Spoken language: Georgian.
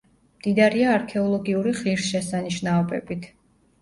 მდიდარია არქეოლოგიური ღირსშესანიშნაობებით.